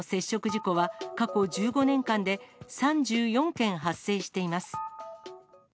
事故は、過去１５年間で３４件発生しています。